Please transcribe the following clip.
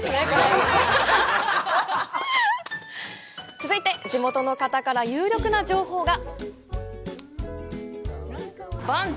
続いて、地元の方から有力な情報が。